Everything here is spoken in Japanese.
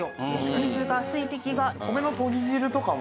水が水滴が。